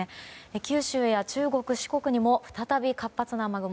九州や中国・四国にも再び活発な雨雲。